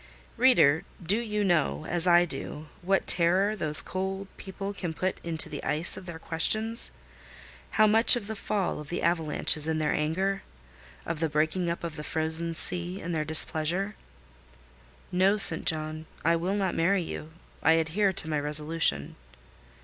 Reader, do you know, as I do, what terror those cold people can put into the ice of their questions? How much of the fall of the avalanche is in their anger? of the breaking up of the frozen sea in their displeasure? "No. St. John, I will not marry you. I adhere to my resolution."